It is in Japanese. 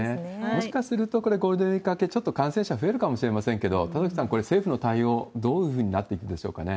もしかすると、これ、ゴールデンウィーク明け、ちょっと感染者増えるかもしれませんけれども、田崎さん、これ、政府の対応、どういうふうになっていくでしょうかね？